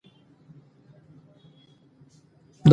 د هرې ژبې ویي پانګه د هغې ژبې تحول او بدلون راښايي.